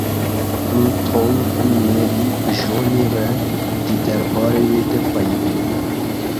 Him Tom him Mary bi Johnî re di derbarê wê de peyivîn.